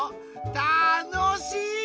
たのしい！